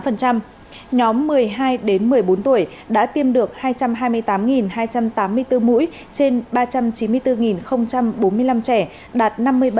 nhóm một mươi hai đến một mươi bốn tuổi đã tiêm được hai trăm hai mươi tám hai trăm tám mươi bốn mũi trên ba trăm chín mươi bốn bốn mươi năm trẻ đạt năm mươi ba